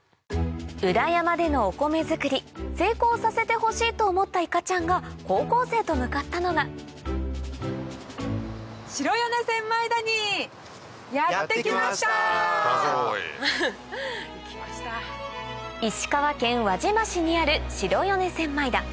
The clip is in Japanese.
裏山でのお米づくり成功させてほしいと思ったいかちゃんが高校生と向かったのが石川県輪島市にある白米千枚田